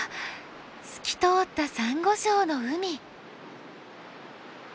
透き通ったサンゴ礁の海。